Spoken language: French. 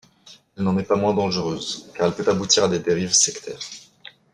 Elle n’en est pas moins dangereuse, car elle peut aboutir à des dérives sectaires.